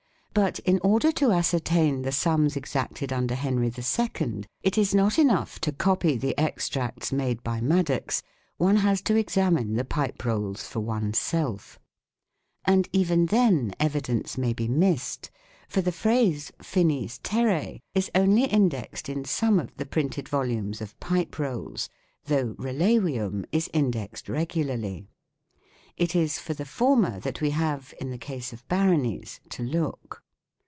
But in order to ascertain the sums exacted under Henry II, it is not enough to copy the extracts made by Madox ; one has to examine the " Pipe Rolls " for oneself. And even then evidence may be missed ; for the phrase " finis terre " is only indexed in some of the printed volumes of " Pipe Rolls," though " relevium " is indexed regularly. 4 It is for the former that we have, in the case of baronies, to look.